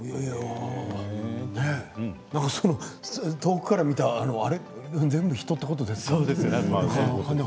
遠くから見たあれ全部、人ということですよね。